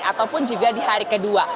ataupun juga di hari kedua